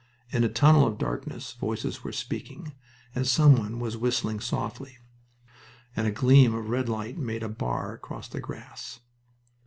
In a tunnel of darkness voices were speaking and some one was whistling softly, and a gleam of red light made a bar across the grass.